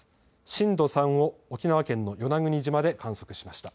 震度３を沖縄県の与那国島で観測しました。